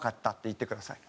「言ってください」？